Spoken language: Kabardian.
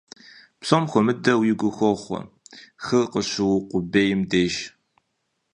Псом хуэмыдэу и гур хохъуэ хыр къыщыукъубейм деж.